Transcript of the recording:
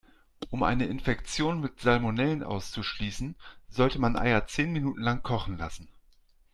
Um eine Infektion mit Salmonellen auszuschließen, sollte man Eier zehn Minuten lang kochen lassen.